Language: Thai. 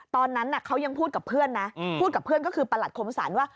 ตอนนั้นเขายังพูดกับเพื่อนนะพูดกับเพื่อนก็คือประหลัดคมสรรว่า